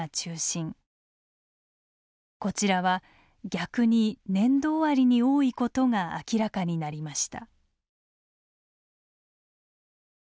こちらは逆に年度終わりに多いことが明らかになりました。